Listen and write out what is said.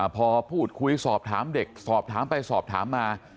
พอพูดคุยสอบถามเด็กสอบถามไปสอบถามมา